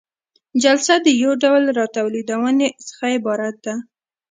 جلسه د یو ډول راټولیدنې څخه عبارت ده.